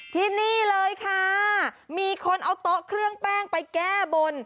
ที่นี่เลยค่ะมีคนเอาโต๊ะเครื่องแป้งไปแก้บน